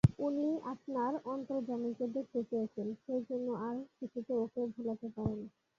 উনি আপনার অন্তর্যামীকে দেখতে পেয়েছেন, সেইজন্যে আর কিছুতে ওঁকে ভোলাতে পারে না।